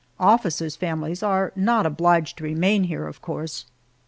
Officers' families are not obliged to remain here, of course.